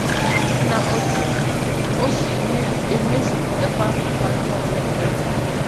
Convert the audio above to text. nà etu o si emezuputekwa nkwà ndị ọzọ o kwere.